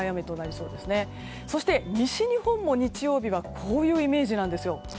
そして、西日本も日曜日はこういうイメージなんですよ。